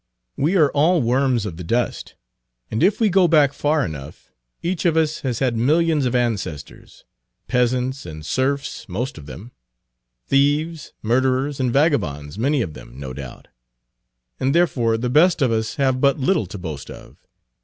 "We are all worms of the dust, and if we go back far enough, each of us has had millions of ancestors; peasants and serfs, most of them; thieves, murderers, and vagabonds, many of them, no doubt; and therefore the best of us have but little to boast of.